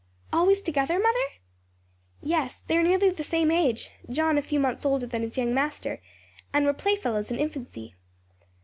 "Always together, mother?" "Yes; they are nearly the same age John a few months older than his young master and were playfellows in infancy.